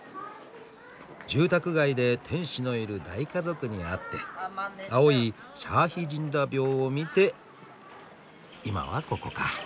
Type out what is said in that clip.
住宅街で天使のいる大家族に会って青いシャーヒジンダ廟を見て今はここか。